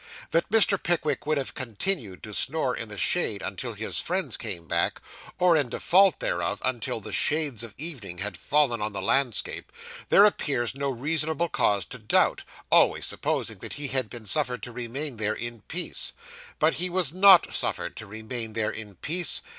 That Mr. Pickwick would have continued to snore in the shade until his friends came back, or, in default thereof, until the shades of evening had fallen on the landscape, there appears no reasonable cause to doubt; always supposing that he had been suffered to remain there in peace. But he was _not _suffered to remain there in peace.